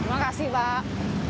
terima kasih pak